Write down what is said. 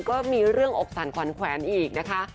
ก็มีเรื่องอกสั่นขวัญแขวนอีกนะคะ